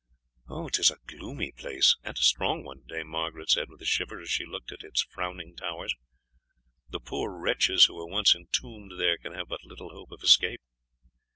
"'Tis a gloomy place and a strong one," Dame Margaret said with a shiver as she looked at its frowning towers; "the poor wretches who are once entombed there can have but little hope of escape.